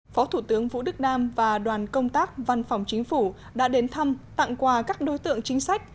phó thủ tướng vũ đức đam và đoàn công tác văn phòng chính phủ đã đến thăm tặng quà các đối tượng chính sách